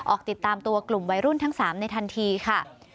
ออกติดตามตัวกลุ่มวัยรุ่นทั้ง๓ในทันทีค่ะ